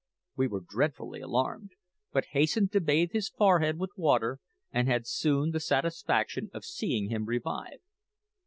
We were dreadfully alarmed, but hastened to bathe his forehead with water, and had soon the satisfaction of seeing him revive.